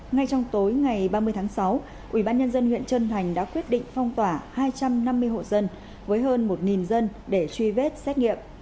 ngay trong tối ngày ba mươi tháng sáu ubnd huyện trân thành đã quyết định phong tỏa hai trăm năm mươi hộ dân với hơn một dân để truy vết xét nghiệm